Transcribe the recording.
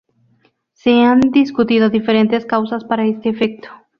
Se han discutido diferentes causas para este efecto.